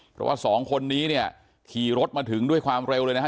เพราะว่าสองคนนี้เนี่ยขี่รถมาถึงด้วยความเร็วเลยนะฮะ